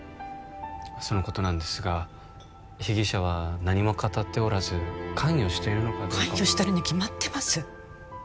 そのことなんですが被疑者は何も語っておらず関与しているのかどうかも関与してるに決まってます